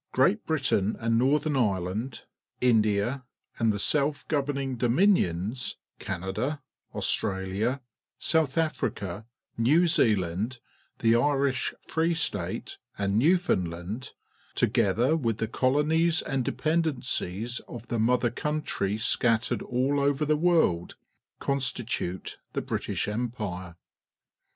Great Britain and Northexa li'e land, India, and the self governing Dominions — Canada, Australia, South Africa, New Zealand, the Irish Free State, and Newfound land, — together with the colonies and de pendencies of the mother country scattered^ all over the world, constitute the British Empire.